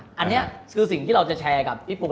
อย่างนี้ก็คือสิ่งที่เราจะแชร์กับพี่ปูก